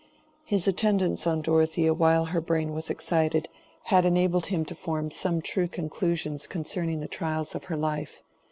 His attendance on Dorothea while her brain was excited, had enabled him to form some true conclusions concerning the trials of her life.